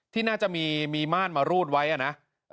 ที่น่าจะมีม่านมารูดไว้นะ